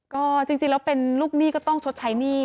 ก็จริงแล้วเป็นลูกหนี้ก็ต้องชดใช้หนี้